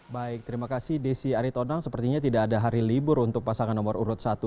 baik terima kasih desi aritonang sepertinya tidak ada hari libur untuk pasangan nomor urut satu